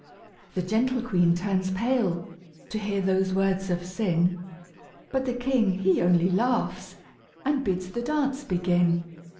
The gentle queen turns pale to hear those words of sin, But the king he only laughs and bids the dance begin.